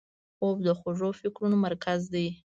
خوب د خوږو فکرونو مرکز دی